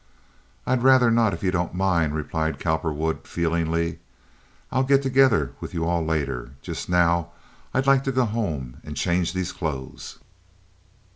"I'd rather not, if you don't mind," replied Cowperwood, feelingly. "I'll get together with you all, later. Just now I'd like to go home and change these clothes."